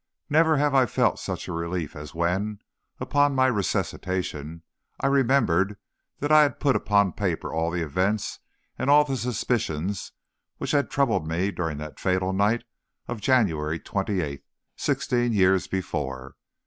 Never have I felt such relief as when, upon my resuscitation, I remembered that I had put upon paper all the events and all the suspicions which had troubled me during that fatal night of January the 28th, sixteen years before.